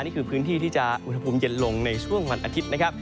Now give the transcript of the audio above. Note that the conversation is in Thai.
นี่คือพื้นที่ที่จะอุณหภูมิเย็นลงในช่วงวันอาทิตย์นะครับ